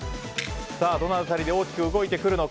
どの辺りで大きく動いてくるか。